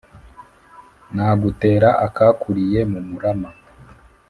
Nagutera akakuriye mu murama